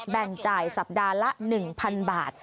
แบ่งจ่ายสัปดาห์ละ๑๐๐๐บาท